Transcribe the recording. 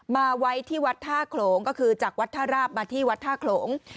มาไว้ที่วัดท่าโขลงก็คือจากวัดท่าราบมาที่วัดท่าโขลง